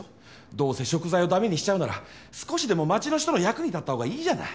どうせ食材をダメにしちゃうなら少しでも町の人の役に立ったほうがいいじゃない。